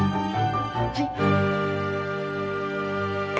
はい。